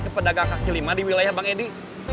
kepada gangga kelima di wilayah bang edi